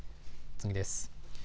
次です。